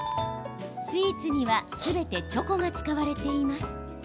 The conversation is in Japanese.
スイーツには、すべてチョコが使われています。